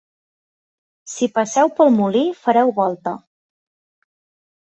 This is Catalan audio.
Si passeu pel molí fareu volta.